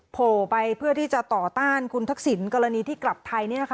โผล่ไปเพื่อที่จะต่อต้านคุณทักษิณกรณีที่กลับไทย